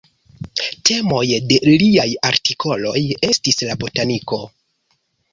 Temoj de liaj artikoloj estis la botaniko.